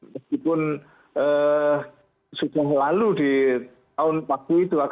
meskipun sudah lalu di tahun waktu itu